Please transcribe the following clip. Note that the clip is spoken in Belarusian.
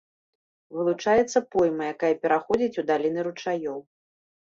Вылучаецца пойма, якая пераходзіць у даліны ручаёў.